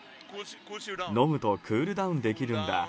飲むとクールダウンできるんだ。